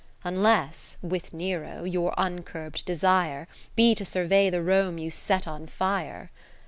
Unless (with Nero) your uncurb'd desire Be to survey the Rome you set on fire.